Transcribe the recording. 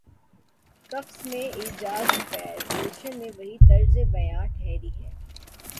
قفس میں ایجادفیض، گلشن میں وہی طرز بیاں ٹھہری ہے۔